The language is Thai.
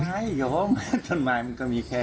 ใช่เหรออต้นไม้มันก็มีแค่นี้